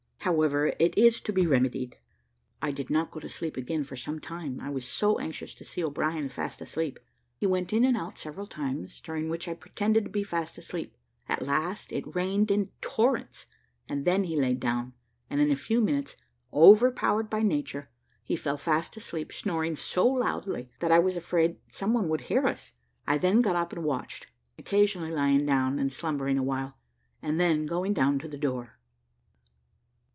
However, it is to be remedied." I did not go to sleep again for some time, I was so anxious to see O'Brien fast asleep. He went in and out several times, during which I pretended to be fast asleep; at last it rained in torrents, and then he laid down, and in a few minutes, overpowered by nature, he fell fast asleep, snoring so loudly that I was afraid some one would hear us. I then got up and watched, occasionally lying down and slumbering awhile, and then going down to the door.